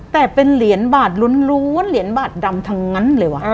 แต่เป็นเหรียญบาทล้วนเหรียญบาทดำทั้งนั้นเลยว่ะ